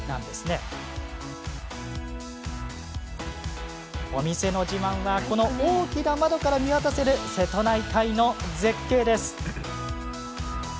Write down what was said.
このお店の自慢はこの大きな窓から見渡せる瀬戸内海の絶景です。